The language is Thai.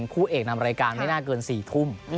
คู่เอกนำรายการไม่น่าเกิน๔ทุ่ม